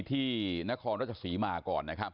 ที่นครราชศรีมาก่อนนะครับ